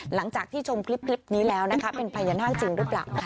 หลังจากที่ชมคลิปนี้แล้วนะคะเป็นพัยยะหน้าจริงรึเปล่าคะ